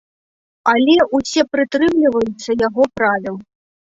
Але ўсе прытрымліваюцца яго правіл.